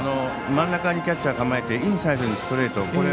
真ん中にキャッチャー構えてインサイドにストレート。